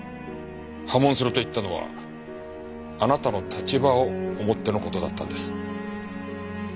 破門すると言ったのはあなたの立場を思っての事だったんです。